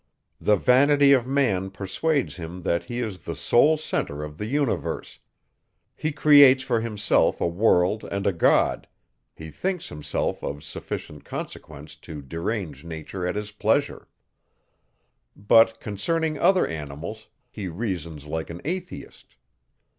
The vanity of man persuades him, that he is the sole center of the universe; he creates for himself a world and a God; he thinks himself of sufficient consequence to derange nature at his pleasure. But, concerning other animals, he reasons like an atheist.